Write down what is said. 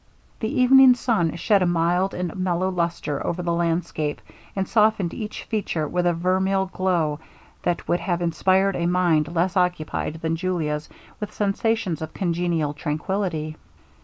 The evening sun shed a mild and mellow lustre over the landscape, and softened each feature with a vermil glow that would have inspired a mind less occupied than Julia's with sensations of congenial tranquillity.